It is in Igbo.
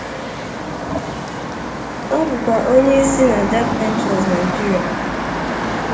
Obukwa onye isi na Jack Ventures Nigeria.